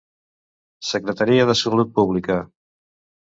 Secretaria de Salut Pública.